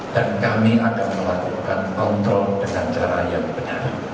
dan kami akan melakukan kontrol dengan cara yang benar